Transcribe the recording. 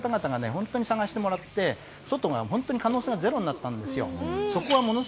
本当に捜してもらって外が本当に可能性がゼロになったんですよ。